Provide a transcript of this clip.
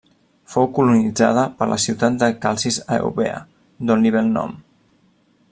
Fou colonitzada per la ciutat de Calcis a Eubea, d'on li ve el nom.